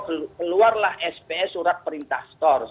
keluarlah spsk do surat perintah store